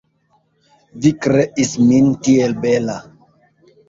Vi kreis min tiel bela!